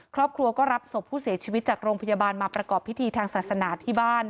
ครอบครัวก็รับศพผู้เสียชีวิตจากโรงพยาบาลมาประกอบพิธีทางศาสนาที่บ้าน